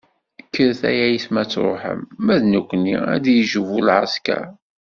Kkret ay ayetma ad truḥem, ma d nekkni ad d-yejbu lɛesker.